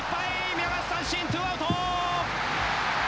見逃し三振ツーアウト！